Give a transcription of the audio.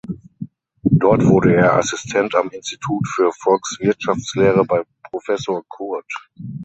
Dort wurde er Assistent am Institut für Volkswirtschaftslehre bei Professor Kurt.